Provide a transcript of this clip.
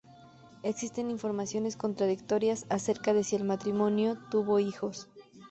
Existen informaciones contradictorias acerca de si el matrimonio tuvo hijos.